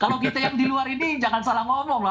kalau kita yang di luar ini jangan salah ngomong loh